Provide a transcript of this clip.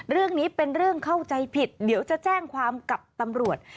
เรื่องนี้เป็นเรื่องเข้าใจผิดเดี๋ยวจะแจ้งความกับตำรวจ